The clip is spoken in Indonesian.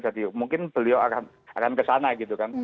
jadi mungkin beliau akan kesana gitu kan